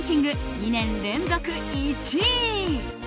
２年連続１位。